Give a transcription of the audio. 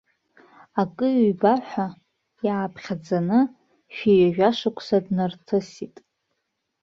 Акы, ҩба ҳәа иааԥхьаӡаны шәи ҩажәа шықәса днарҭысит.